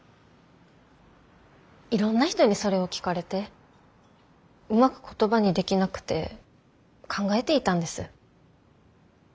いろんな人にそれを聞かれてうまく言葉にできなくて考えていたんです。